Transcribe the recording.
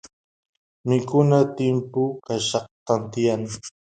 mikuna timpuchkaqllata tiyan